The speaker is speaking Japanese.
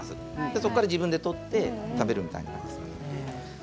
そこから自分で取って食べるみたいな。